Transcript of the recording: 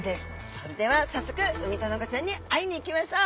それでは早速ウミタナゴちゃんに会いに行きましょう。